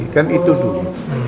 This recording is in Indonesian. kan itu dulu